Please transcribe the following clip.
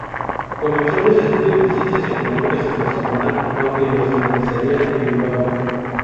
Comenzó los estudios de Ciencias Económicas en Barcelona, aunque los finalizaría en Bilbao.